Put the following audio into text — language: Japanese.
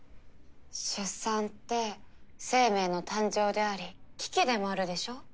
出産って生命の誕生であり危機でもあるでしょ？